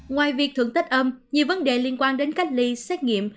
ngoài việc thưởng tết âm nhiều vấn đề liên quan đến cách ly xét nghiệm